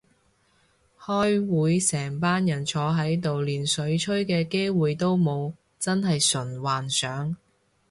開會成班人坐喺度連水吹嘅機會都冇，真係純幻想